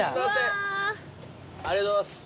ありがとうございます。